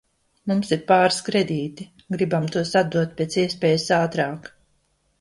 Mums ir pāris kredīti, gribam tos atdot pēc iespējas ātrāk